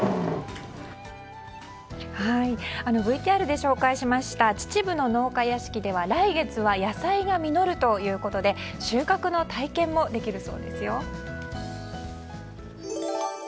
ＶＴＲで紹介しました秩父の農家屋敷では来月は野菜が実るということで収穫の体験もできるそうですよ。